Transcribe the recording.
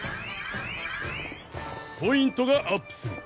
ポイントがアップする。